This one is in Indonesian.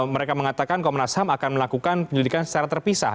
mereka mengatakan komnas ham akan melakukan penyelidikan secara terpisah